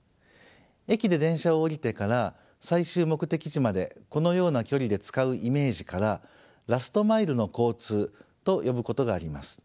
駅で電車を降りてから最終目的地までこのような距離で使うイメージからラストマイルの交通と呼ぶことがあります。